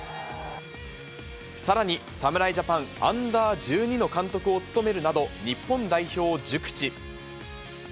さらに、侍ジャパンＵー１２の監督を務めるなど日本代表を熟知。